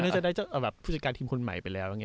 นี่จะได้ผู้จัดการทีมคนใหม่ไปแล้ว